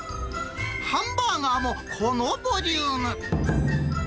ハンバーガーもこのボリューム。